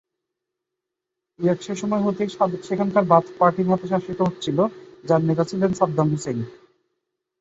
Iraq সেসময় হতেই সেখানকার বাথ পার্টি কর্তৃক শাসিত হচ্ছিল যার নেতা ছিলেন সাদ্দাম হুসাইন।